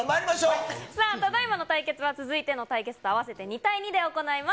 さあ、ただいまの対決は、続いての対決と合わせて２対２で行います。